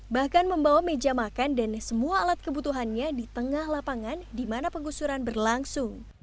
bahkan membawa meja makan dan semua alat kebutuhannya di tengah lapangan di mana penggusuran berlangsung